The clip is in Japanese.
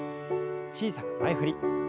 小さく前振り。